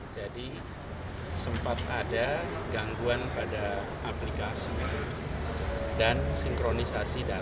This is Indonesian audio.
jadi sempat ada gangguan pada aplikasi dan sinkronisasi data